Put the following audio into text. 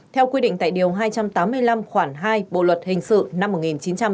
theo quy định tại điều hai trăm tám mươi năm khoảng hai bộ luật hình sự năm một nghìn chín trăm năm mươi